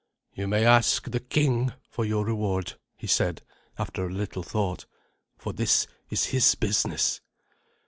"You may ask the king for your reward," he said, after a little thought, "for this is his business.